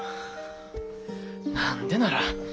何でなら？